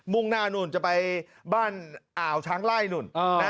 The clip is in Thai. ่งหน้านู่นจะไปบ้านอ่าวช้างไล่นู่น